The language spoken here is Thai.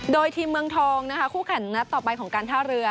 โดยทีมเมืองทองนะคะคู่แข่งนัดต่อไปของการท่าเรือ